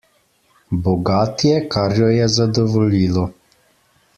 Bogat je, kar jo je zadovoljilo.